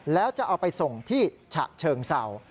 แล้วจะเอาไปส่งที่ฉะเชิงเศร้า